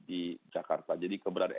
di jakarta jadi keberadaan